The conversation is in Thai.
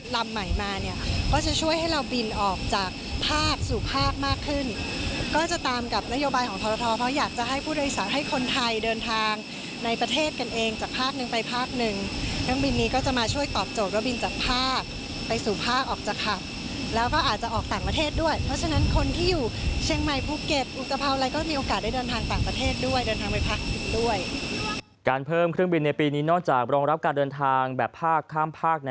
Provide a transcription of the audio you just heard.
ลำใหม่มาเนี่ยก็จะช่วยให้เราบินออกจากภาคสู่ภาคมากขึ้นก็จะตามกับนโยบายของทรทธทรเพราะอยากจะให้ผู้โดยสาวให้คนไทยเดินทางในประเทศกันเองจากภาคหนึ่งไปภาคหนึ่งนักบินนี้ก็จะมาช่วยตอบโจทย์ว่าบินจากภาคไปสู่ภาคออกจากขับแล้วก็อาจจะออกต่างประเทศด้วยเพราะฉะนั้นคนที่อยู่เชียงใหม่ภูเก